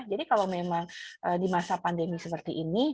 jadi kalau memang di masa pandemi seperti ini